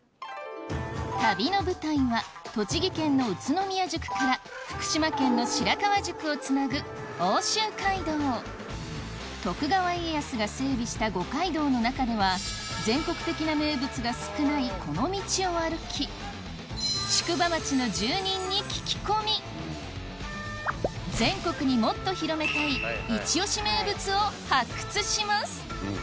旅の舞台は栃木県の宇都宮宿から福島県の白河宿をつなぐ奥州街道徳川家康が整備した五街道の中ではこの道を歩き全国にもっと広めたいイチ推し名物を発掘します